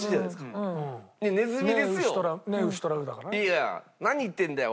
いや何言ってるんだよ